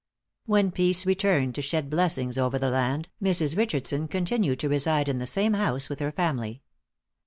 When peace returned to shed blessings over the land, Mrs. Richardson continued to reside in the same house, with her family.